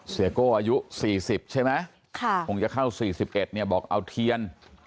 เสียโก้อายุ๔๐ใช่ไหมคงจะเข้า๔๑เนี่ยบอกเอาเทียน